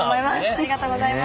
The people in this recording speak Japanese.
ありがとうございます。